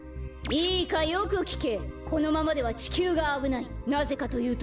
いいかよくきけ！